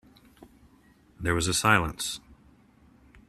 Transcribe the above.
There was a silence.